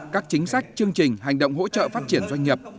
các chính sách chương trình hành động hỗ trợ phát triển doanh nghiệp